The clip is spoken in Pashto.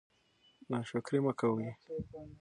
ناشکري مه کوئ.